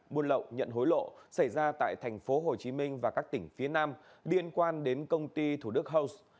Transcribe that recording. buôn lậu nhận hối lộ xảy ra tại tp hcm và các tỉnh phía nam liên quan đến công ty thủ đức house